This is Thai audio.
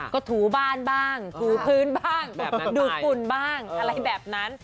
ก็ถูบ้านบ้างถูพื้นบ้างดูดฝุ่นบ้างอะไรแบบนั้น